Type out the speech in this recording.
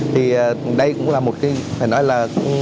thì đây cũng là một cái phải nói là